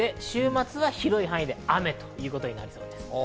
週末は広い範囲で雨となりそうです。